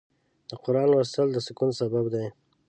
د قرآن لوستل د سکون سبب دی.